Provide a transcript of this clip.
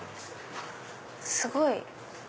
すごい！